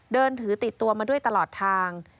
เดินถือติดตัวมาด้วยตลอดทาง